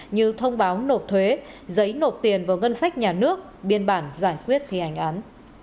như thông báo nộp thuế giấy nộp tiền vào ngân sách nhà nước biên bản giải quyết thi hành án